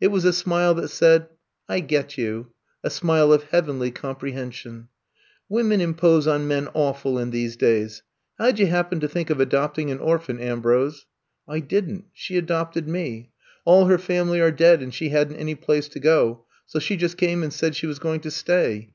It was a smile that said, I get you "; a smile of heavenly comprehension. Women impose on men awful, in these days. How 'd you happen to think of adopting an orphan, Ambrose !'' I didn't — she adopted me. All her family are dead and she had n 't any place to go; so she just came and said she was going to stay.